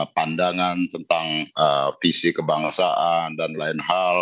pandangan tentang visi kebangsaan dan lain hal